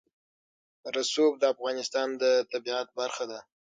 رسوب د افغانستان د طبیعت برخه ده.